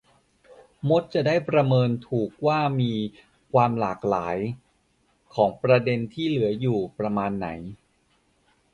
มดจะได้ประเมินถูกว่ามีความหลากหลายของประเด็นที่เหลืออยู่ประมาณไหน